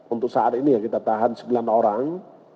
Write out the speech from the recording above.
untuk saat ini yang kita tahan sembilan orang